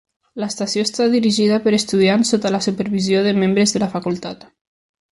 L'estació està dirigida per estudiants sota la supervisió de membres de la facultat.